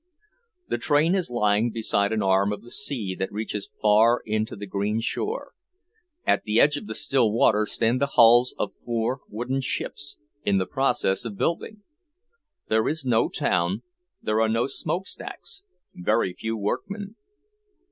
Their train is lying beside an arm of the sea that reaches far into the green shore. At the edge of the still water stand the hulls of four wooden ships, in the process of building. There is no town, there are no smoke stacks very few workmen.